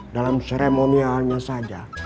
dalam seremonialnya saja